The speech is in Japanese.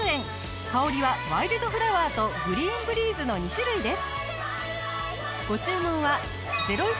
香りはワイルドフラワーとグリーンブリーズの２種類です。